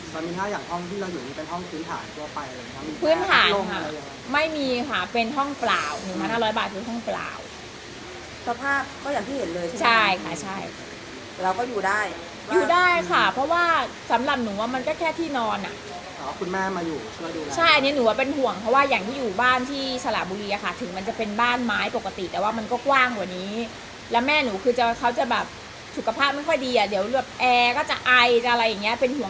สภาพก็อย่างที่เห็นเลยใช่ไหมใช่ค่ะใช่แล้วก็อยู่ได้อยู่ได้ค่ะเพราะว่าสำหรับหนูว่ามันก็แค่ที่นอนอ่ะอ๋อคุณแม่มาอยู่มาดูรับใช่อันนี้หนูว่าเป็นห่วงเพราะว่าอย่างที่อยู่บ้านที่สละบุรีอะค่ะถึงมันจะเป็นบ้านไม้ปกติแต่ว่ามันก็กว้างกว่านี้แล้วแม่หนูคือจะเขาจะแบบสุขภาพไม่ค่อยดีอ่ะเดี๋ยว